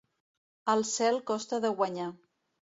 El cel costa de guanyar.